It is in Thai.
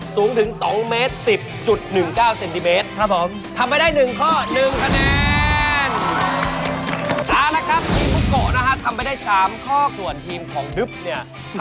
สูงถึง๒เมตร๑๐๑๙เซนติเมตรครับผม